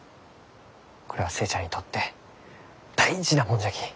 これは寿恵ちゃんにとって大事なもんじゃき。